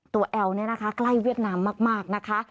แอลเนี่ยนะคะใกล้เวียดนามมากนะคะ